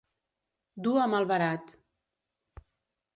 Dur a malbarat.